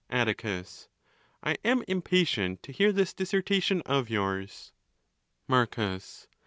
Atticus.—I am impatient to hear this dissertation of yours, Marcus.